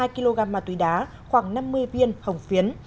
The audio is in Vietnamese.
hai kg ma túy đá khoảng năm mươi viên hồng phiến